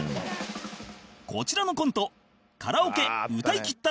こちらのコント「カラオケ歌いきったら１０万